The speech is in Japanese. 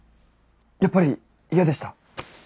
やっぱり嫌でした？